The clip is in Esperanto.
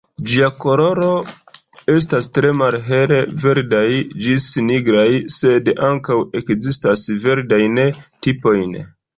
Ĝia koloro estas tre malhele verdaj ĝis nigraj, sed ankaŭ ekzistas verdajn tipojn.